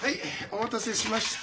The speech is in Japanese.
お待たせしました。